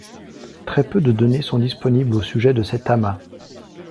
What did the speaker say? Très peu de données sont disponibles au sujet de cet amas.